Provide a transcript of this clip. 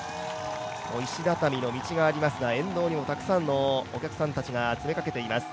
石畳の道がありますが、沿道にもたくさんのお客さんが詰めかけています。